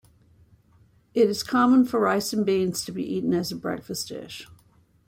It is common for rice and beans to be eaten as a breakfast dish.